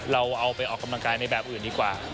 เราเอาไปออกกำลังกายในแบบอื่นดีกว่า